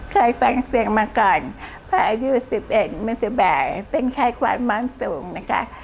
เคยฟังเสียงมาก่อนพระอายุ๑๑๑๑เป็นไข้ความมองสูงนะคะ